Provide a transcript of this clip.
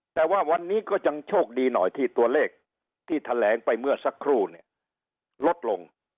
แต่ว่าวันนี้ก็ยังโชคดีหน่อยที่ตัวเลขที่แถลงไปเมื่อสักครู่เนี่ยลดลง